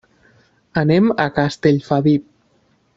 Anem a Castellfabib.